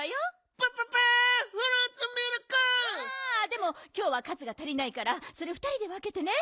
でもきょうはかずが足りないからそれふたりでわけてね。